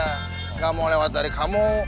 tidak mau lewat dari kamu